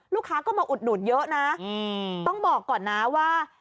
ลูกค้าก็มาอุดหนุนเยอะนะต้องบอกก่อนนะว่า